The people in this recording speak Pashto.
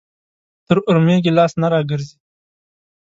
تر اورمېږ يې لاس نه راګرځي.